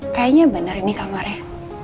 kayaknya bener ini kamarnya